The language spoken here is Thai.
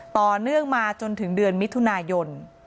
ต่อเนื่องมาจนถึงเดือนมิถุนายน